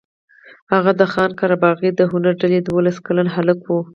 هغه د خان قره باغي د هنري ډلې دولس کلن هلک و.